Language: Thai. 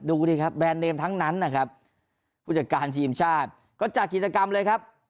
ดูดิครับแบรนด์เนมทั้งนั้นนะครับผู้จัดการทีมชาติก็จัดกิจกรรมเลยครับ